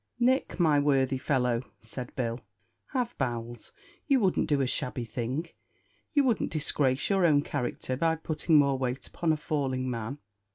"Nick, my worthy fellow," said Bill, "have bowels; you wouldn't do a shabby thing; you wouldn't disgrace your own character by putting more weight upon a falling man.